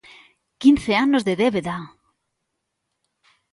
¡Quince anos de débeda!